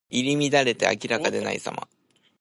入り乱れて明らかでないさま。